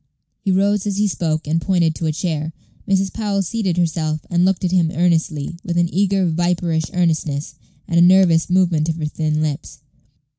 He rose as he spoke, and pointed to a chair. Mrs. Powell seated herself, and looked at him earnestly, with an eager, viperish earnestness, and a nervous movement of her thin lips.